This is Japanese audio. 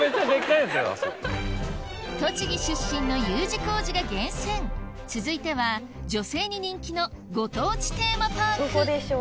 栃木出身のＵ字工事が厳選続いては女性に人気のご当地テーマパーク